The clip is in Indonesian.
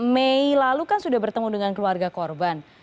mei lalu kan sudah bertemu dengan keluarga korban